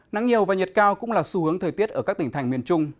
nắng nhiều và nhiệt cao cũng là xu hướng thời tiết ở các tỉnh thành miền trung